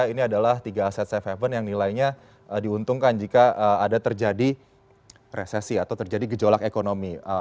ini adalah tiga aset safe haven yang nilainya diuntungkan jika ada terjadi resesi atau terjadi gejolak ekonomi